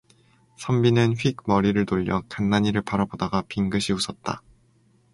선비는 휙 머리를 돌려 간난이를 바라보다가 빙긋이 웃었다.